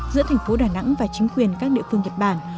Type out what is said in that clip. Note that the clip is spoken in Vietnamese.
giữa thành phố đà nẵng và chính quyền các địa phương nhật bản